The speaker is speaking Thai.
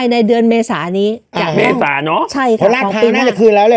ในเดือนมีเหรอ